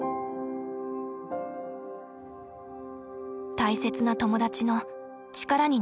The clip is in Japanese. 大切な友達の力になりたい。